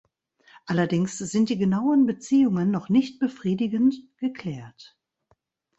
Allerdings sind die genauen Beziehungen noch nicht befriedigend geklärt.